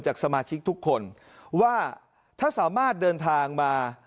สมาชิกทุกคนว่าถ้าสามารถเดินทางมา